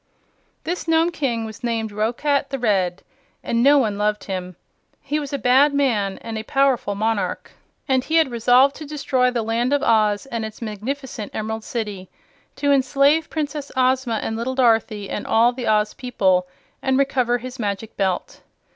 This Nome King was named Roquat the Red, and no one loved him. He was a bad man and a powerful monarch, and he had resolved to destroy the Land of Oz and its magnificent Emerald City, to enslave Princess Ozma and little Dorothy and all the Oz people, and recover his Magic Belt.